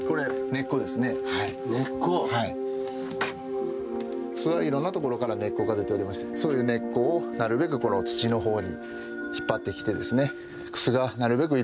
根っこ！クスはいろんなところから根っこが出ておりましてそういう根っこをなるべく土のほうに引っ張ってきてですねクスがなるべく